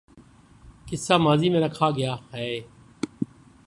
قصہ ماضی میں رکھا کیا ہے